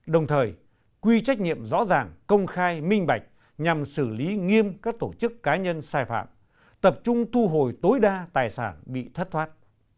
đồng thời quy trách nhiệm rõ ràng công khai minh bạch nhằm xử lý nghiêm các tổ chức cá nhân sai phạm tập trung thu hồi tối đa tài sản bị thất thoát